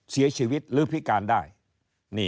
เสียชีวิตหรือพิการได้